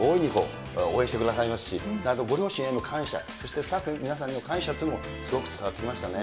とにかく皆さんが大いに応援してくださいますし、ご両親への感謝、そしてスタッフの皆さんにも感謝というのもすごく伝わってきましたね。